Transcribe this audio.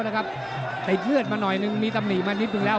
ติดเลือดมาหน่อยนึงมีตำหนิมานิดนึงแล้ว